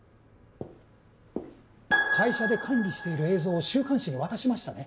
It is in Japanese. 会社で管理している映像を週刊誌に渡しましたね？